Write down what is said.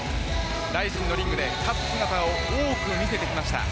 ＲＩＺＩＮのリングで勝つ姿を多く見せてきました。